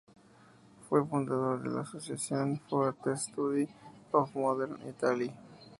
Fue fundador de la Association for the Study of Modern Italy.